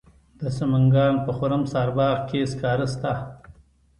د سمنګان په خرم سارباغ کې سکاره شته.